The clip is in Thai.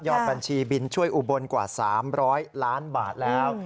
บัญชีบินช่วยอุบลกว่า๓๐๐ล้านบาทแล้ว